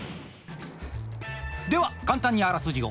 では簡単にあらすじを。